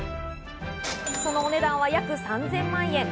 そのお値段は約３０００万円。